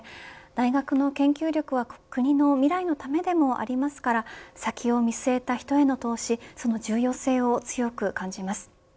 大学の研究力は国の未来のためでもありますから先を見据えた人への投資その重要性を強く感じます。